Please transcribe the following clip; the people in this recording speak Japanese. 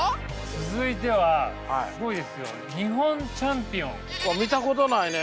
続いてはすごいですよ日本チャンピオン。あっ見たことないね！